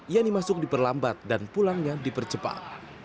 yani masuk diperlambat dan pulangnya dipercepat